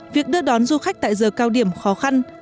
việc đưa đón du khách tại giờ cao điểm khó khăn